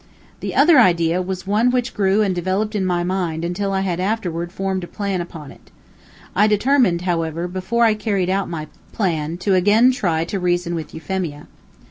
The other idea was one which grew and developed in my mind until I afterward formed a plan upon it. I determined, however, before I carried out my plan, to again try to reason with Euphemia.